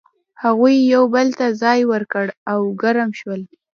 هغوی یو بل ته ځای ورکړ او ګرم شول.